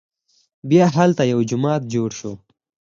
بیا هلته یو جومات جوړ شو.